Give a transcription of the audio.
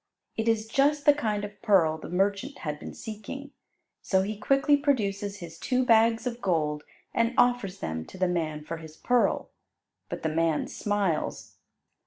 It is just the kind of pearl the merchant had been seeking, so he quickly produces his two bags of gold and offers them to the man for his pearl. But the man smiles.